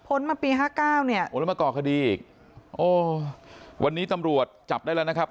มาปีห้าเก้าเนี่ยโอ้แล้วมาก่อคดีอีกโอ้วันนี้ตำรวจจับได้แล้วนะครับ